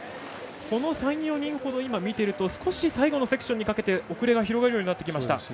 この３４人ほど見ていると少し、最後のセクションにかけて遅れが広がるようになりました。